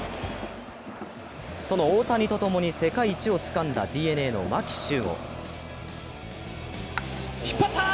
その大谷と共に世界一をつかんだＤｅＮＡの牧秀悟。